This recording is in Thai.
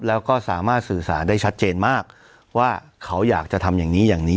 แล้วก็สามารถสื่อสารได้ชัดเจนมากว่าเขาอยากจะทำอย่างนี้อย่างนี้